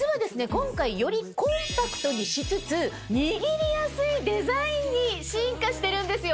今回よりコンパクトにしつつ握りやすいデザインに進化してるんですよ。